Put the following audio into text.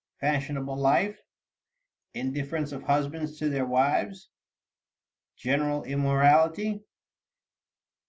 Fashionable Life. Indifference of Husbands to their Wives. General Immorality.